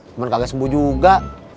cuman kagak sembuh juga